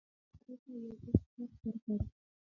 اوبو تختې ته یو اوږد څرخ ورکړ.